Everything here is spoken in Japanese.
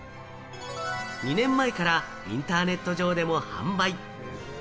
２年前からインターネット上でも販売。